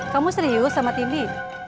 kamu serius sama tini